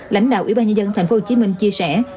lãnh đạo ủy ban nhân dân tp hcm chia sẻ